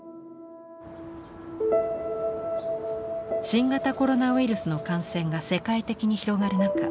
新型コロナウイルスの感染が世界的に広がる中